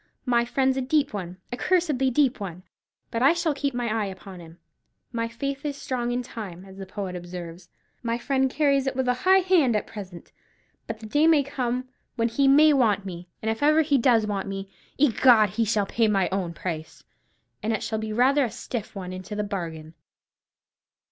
My friend's a deep one, a cursedly deep one; but I shall keep my eye upon him 'My faith is strong in time,' as the poet observes. My friend carries it with a high hand at present; but the day may come when he may want me; and if ever he does want me, egad, he shall pay me my own price, and it shall be rather a stiff one into the bargain."